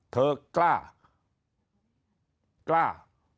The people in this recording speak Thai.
เธอกล้ากล้า